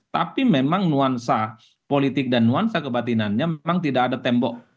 tapi memang nuansa politik dan nuansa kebatinannya memang tidak ada tembok